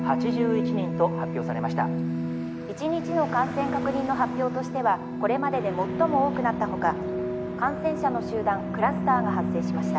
「１日の感染確認の発表としてはこれまでで最も多くなったほか感染者の集団クラスターが発生しました」。